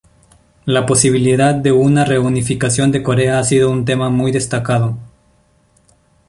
La posibilidad de una reunificación de Corea ha sido un tema muy destacado.